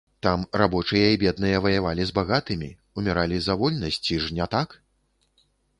Там рабочыя і бедныя ваявалі з багатымі, уміралі за вольнасць, ці ж не так?